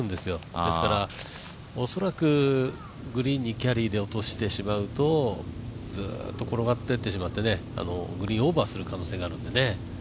ですから恐らくグリーンにキャリーで落としてしまうとずっと転がっていってしまってグリーンをオーバーする可能性があるので。